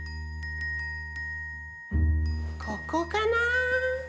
ここかな？